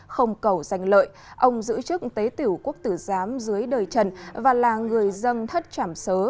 không cầu danh lợi ông giữ chức tế tiểu quốc tử giám dưới đời trần và là người dân thất trảm sớ